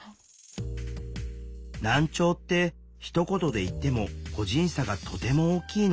難聴ってひと言で言っても個人差がとても大きいの。